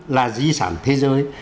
là di sản văn hóa